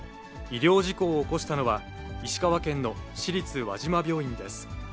医療事故を起こしたのは、石川県の市立輪島病院です。